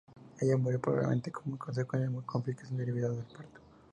Ella murió probablemente como consecuencia de complicaciones derivadas del parto.